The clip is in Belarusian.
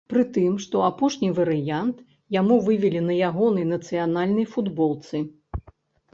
Прытым, што апошні варыянт яму вывелі на ягонай нацыянальнай футболцы.